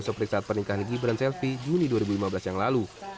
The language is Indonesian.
seperti saat pernikahan gibran selvi juni dua ribu lima belas yang lalu